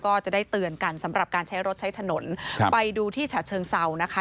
ก็จะได้เตือนกันสำหรับการใช้รถใช้ถนนครับไปดูที่ฉะเชิงเซานะคะ